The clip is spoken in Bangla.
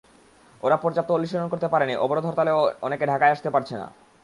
ওরা পর্যাপ্ত অনুশীলন করতে পারেনি, অবরোধ-হরতালেও অনেকে ঢাকায় আসতে পারছে না।